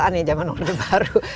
saatnya zaman orang baru